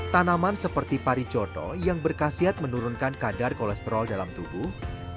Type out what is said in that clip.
tanaman seperti pari coto yang berkhasiat menurunkan kadar kolesterol dalam tubuh